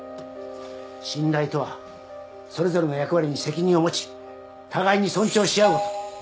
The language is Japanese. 信頼とはそれぞれの役割に責任を持ち互いに尊重し合うこと。